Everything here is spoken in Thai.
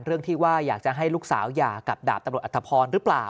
เรื่องที่ว่าอยากจะให้ลูกสาวหย่ากับดาบตำรวจอัตภพรหรือเปล่า